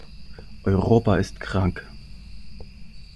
Europa ist krank.